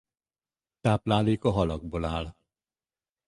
Tápláléka halakból áll.